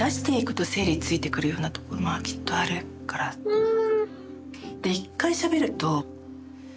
うん。